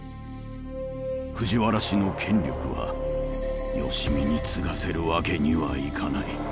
藤原氏の権力は良相に継がせる訳にはいかない。